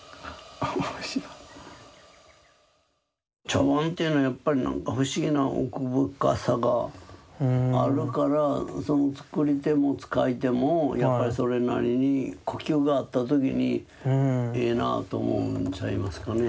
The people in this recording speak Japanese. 茶碗っていうのはやっぱりなんか不思議な奥深さがあるからその作り手も使い手もやっぱりそれなりに呼吸が合った時にええなあと思うんちゃいますかね。